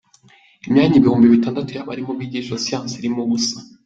Imyanya ibihumbi bitandatu y’abarimu bigisha siyansi irimo ubusa